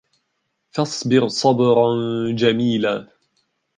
فَاصْبِرْ صَبْرًا جَمِيلًا